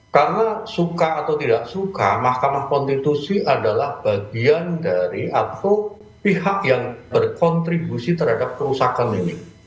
karena suka atau tidak suka mahkamah konstitusi adalah bagian dari atau pihak yang berkontribusi terhadap kerusakan ini